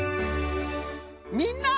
みんな！